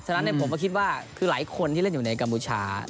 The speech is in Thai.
ฉะนั้นผมก็คิดว่าคือหลายคนที่เล่นอยู่ในกัมพูชา